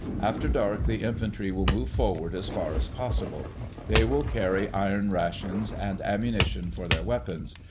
After dark the infantry will move forward as far as possible. They will carry iron rations, and ammunition for their weapons.